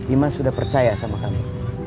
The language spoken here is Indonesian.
imas sudah percaya sama kami